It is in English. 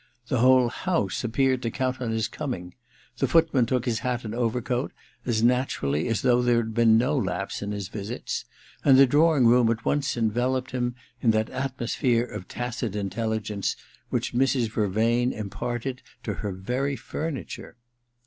The whole house appeared to count on his coming ; the footman took his hat and overcoat as .naturally as though there had been no lapse in his visits ; and the drawing room at once enveloped him in that atmosphere of tacit intelligence which Mrs. Vervain imparted to her very furniture.